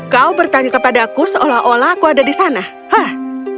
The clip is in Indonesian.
kau bertanya kepada aku seolah olah aku ada di sana hah